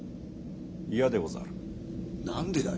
嫌でござる。